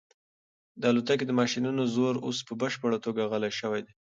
د الوتکې د ماشینونو زور اوس په بشپړه توګه غلی شوی دی.